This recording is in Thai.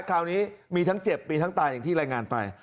คราวนี้มีทั้งเจ็บมีทั้งตายอย่างที่รายงานไป